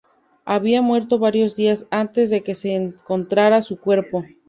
Había muerto varios días antes de que se encontrara su cuerpo.